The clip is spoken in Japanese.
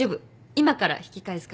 今から引き返すから。